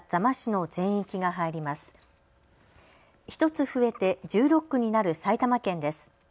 １つ増えて１６区になる埼玉県です。